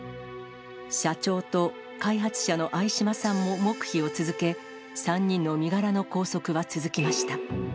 社長と開発者の相嶋さんも黙秘を続け、３人の身柄の拘束は続きました。